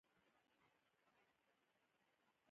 نن مې د کور ټوله دوړه پسې ووهله.